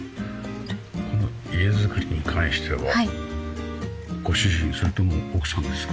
この家造りに関してはご主人それとも奥さんですか？